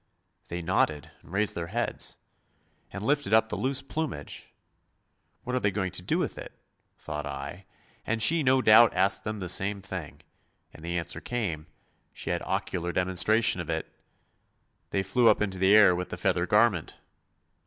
They nodded and raised their heads, and lifted up the loose plumage. What are they going to do with it, thought I, and she no doubt asked them the same thing ; and the answer came, she had ocular demonstration of it: they flew up into the air with the feather garment!